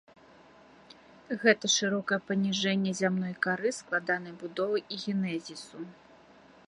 Гэта шырокае паніжэнне зямной кары складанай будовы і генезісу.